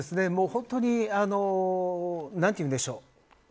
本当に、何て言うんでしょう。